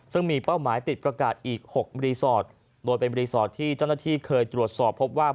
ซึ่งมีเป้าหมายติดประกาศอีก๖รีสอร์ทโดยเป็นรีสอร์ทที่เจ้าหน้าที่เคยตรวจสอบพบว่า